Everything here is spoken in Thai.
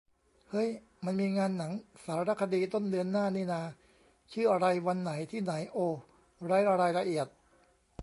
เฮ้ย มันมีงานหนังสารคดี ต้นเดือนหน้านี่นา ชื่ออะไร วันไหน ที่ไหน โอ ไร้รายละเอียด